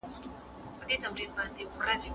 زه له سهاره سړو ته خواړه ورکوم!.